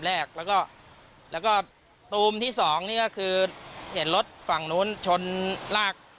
แรกแล้วก็แล้วก็ตูมที่๒นี่ก็คือเห็นรถฝั่งนู้นชนราก